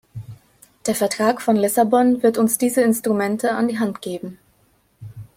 Der Vertrag von Lissabon wird uns diese Instrumente an die Hand geben.